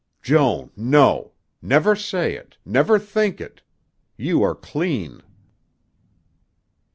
"Joan! No! Never say it, never think it. You are clean."